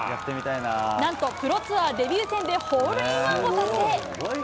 なんとプロツアーデビュー戦でデビュー戦でホールインワンを達成。